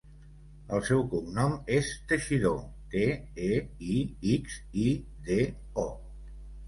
El seu cognom és Teixido: te, e, i, ics, i, de, o.